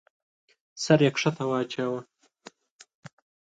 سر يې کښته واچاوه.